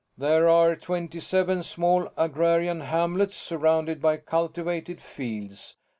There are twenty seven small agrarian hamlets surrounded by cultivated fields.